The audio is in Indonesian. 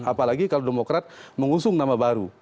apalagi kalau demokrat mengusung nama baru